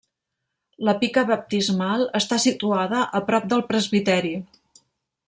La pica baptismal està situada a prop del presbiteri.